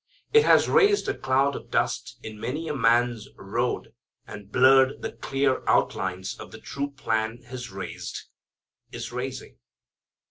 It has raised a cloud of dust in many a man's road, and blurred the clear outlines of the true plan has raised? is raising.